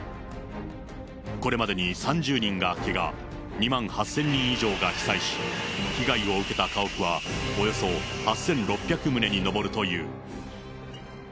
これまでに３０人がけが、２万８０００人以上が被災し、被害を受けた家屋はおよそ８６００棟に上るという。